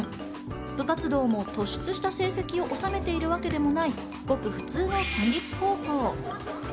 部活動も突出した成績を収めているわけでもないごく普通の県立高校。